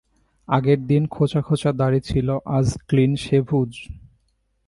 আগের দিন খোঁচা-খোঁচা দাড়ি ছিল, আজ ক্লিন শেভূড়।